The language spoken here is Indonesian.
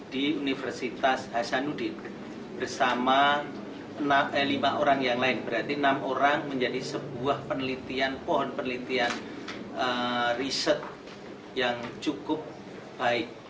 di universitas hasanuddin bersama lima orang yang lain berarti enam orang menjadi sebuah penelitian pohon penelitian riset yang cukup baik